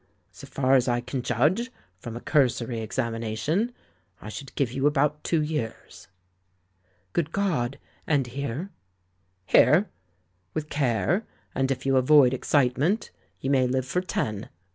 "So far as I can judge, from a cursory exami nation, I should give you about two years." "Good God! And here?" "Here? With care, and if you avoid excite ment, you may live for ten.